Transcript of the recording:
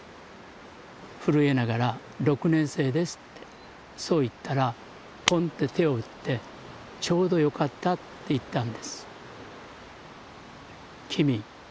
震えながら「６年生です」ってそう言ったらポンって手を打って「ちょうどよかった」って言ったんです。